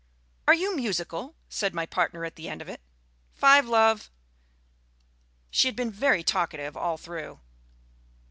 "Are you musical?" said my partner at the end of it. (Five, love.) She had been very talkative all through.